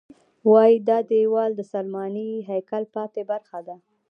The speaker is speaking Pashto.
وایي دا دیوال د سلیماني هیکل پاتې برخه ده.